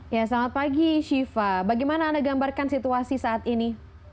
ya selamat pagi syifa bagaimana anda gambarkan situasi saat ini